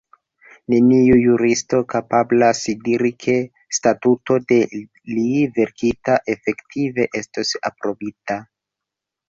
Neniu juristo kapablas diri, ke statuto de li verkita efektive estos aprobita.